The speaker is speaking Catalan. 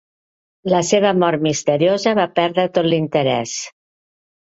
La seva mort misteriosa, va perdre tot l'interès.